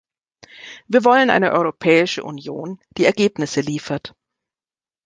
Wir wollen eine Europäische Union, die Ergebnisse liefert.